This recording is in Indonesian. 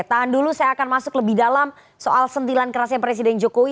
tahan dulu saya akan masuk lebih dalam soal sentilan kerasnya presiden jokowi